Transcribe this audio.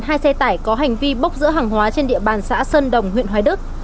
hai xe tải có hành vi bốc giữa hàng hóa trên địa bàn xã sơn đồng huyện hoài đức